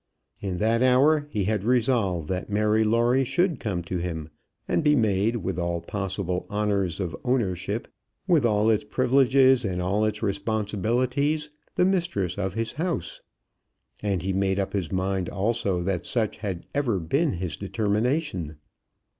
In that hour he had resolved that Mary Lawrie should come to him, and be made, with all possible honours of ownership, with all its privileges and all its responsibilities, the mistress of his house. And he made up his mind also that such had ever been his determination.